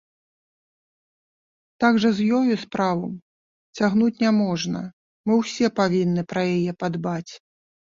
Так жа з ёю справу цягнуць няможна, мы ўсе павінны пра яе падбаць.